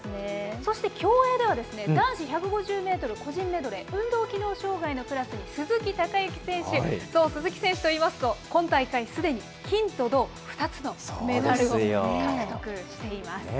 そして競泳では、男子１５０メートル個人メドレー、運動機能障害のクラスに鈴木孝幸選手、そう、鈴木選手といいますと、今大会、すでに金と銅、２つのメダルを獲得しています。